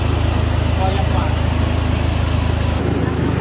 พี่ชอบจริงบอกว่าชอบทุก